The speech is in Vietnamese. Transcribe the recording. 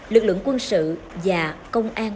lực lượng quân sự và công an